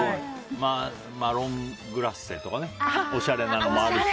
マロングラッセとかねおしゃれなのもあるし。